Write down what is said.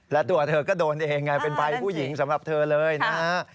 และตัวเธอก็โดนเองไงเป็นภัยผู้หญิงสำหรับเธอเลยนะฮะ